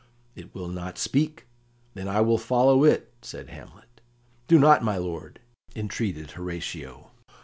"It will not speak; then I will follow it," said Hamlet. "Do not, my lord," entreated Horatio.